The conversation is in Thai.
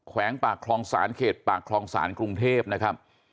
แขวงปากคลองศาลเขตปากคลองศาลกรุงเทพนะครับ